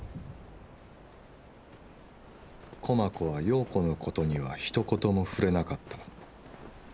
駒子は葉子のことにはひと言も触れなかった。